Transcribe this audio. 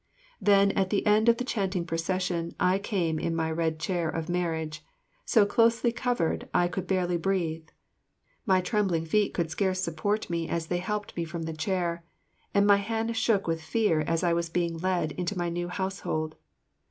Then at the end of the chanting procession I came in my red chair of marriage, so closely covered I could barely breathe. My trembling feet could scarce support me as they helped me from the chair, and my hand shook with fear as I was being led into my new household.